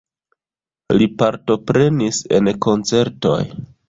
Li partoprenis en koncertoj.